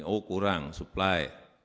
oh kurang suplai